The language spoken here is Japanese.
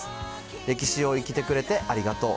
歴史を生きてくれてありがとう。